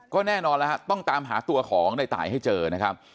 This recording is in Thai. ก็แน่นอนแล้วฮะต้องตามหาตัวของในตายให้เจอนะครับ